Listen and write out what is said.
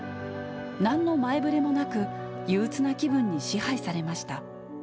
なんの前触れもなく、憂うつな気分に支配されました。